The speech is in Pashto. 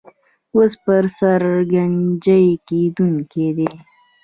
اوس پر سر ګنجۍ کېدونکی دی.